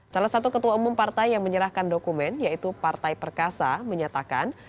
salah satu ketua umum partai yang menyerahkan dokumen yaitu partai perkasa menyatakan